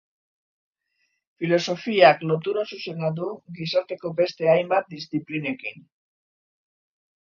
Filosofiak lotura zuzena du gizarteko beste hainbat disziplinekin.